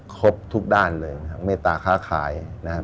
ครบทุกด้านเลยนะฮะเมตตาค้าขายนะฮะ